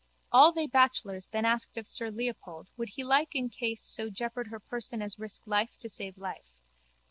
All they bachelors then asked of sir Leopold would he in like case so jeopard her person as risk life to save life.